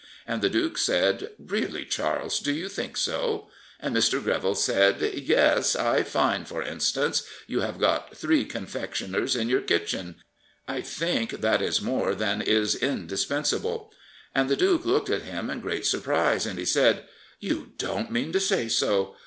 And the duke said: " Really, Charles, do you think so? " And Mr. Greville said, " Yes. I find, for instance, you have got three confectioners in your kitchen. I think that is more than is indispens able." And the duke looked at him in great surprise, and he said; "You don't mean to say so!